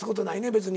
別に。